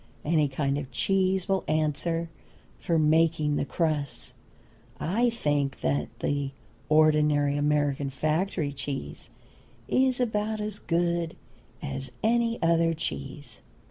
Any kind of cheese will answer for making the crusts. I think that the ordinary American factory cheese is about as good as any other cheese.